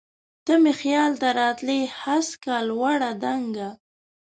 ته مي خیال ته راتلی هسکه، لوړه، دنګه